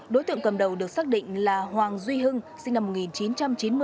đối tượng cầm đầu được xác định là hoàng duy hưng sinh năm một nghìn chín trăm chín mươi